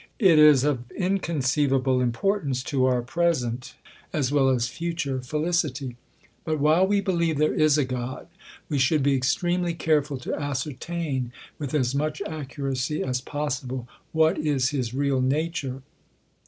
It is of inconceivable import ance to our present, as well as future felicity. But while we believe there is a God, we should be extreme ly careful to ascertain, with as much accuracy as possi ble » 20^ THE COLUMBIAN ORATOR. ble, what is his real nature.